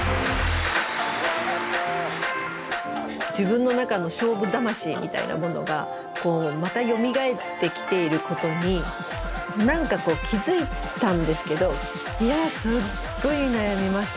自分の中の勝負魂みたいなものがまたよみがえってきていることに何か気付いたんですけどいやすっごい悩みましたね。